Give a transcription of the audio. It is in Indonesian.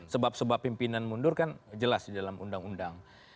sebab sebab pimpinan mundur kan jelas di dalam undang undang